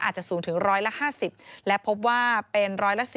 อาจจะสูงถึงร้อยละ๕๐และพบว่าเป็นร้อยละ๔